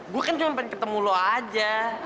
gue kan cuma pengen ketemu lo aja